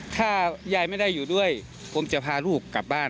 ถ้ายายไม่ได้อยู่ด้วยผมจะพาลูกกลับบ้าน